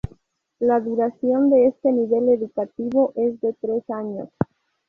La duración de este nivel educativo es de tres años.